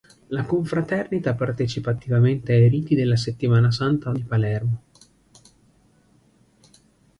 La Confraternita partecipa attivamente ai Riti della Settimana Santa di Palermo.